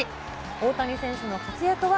大谷選手の活躍は、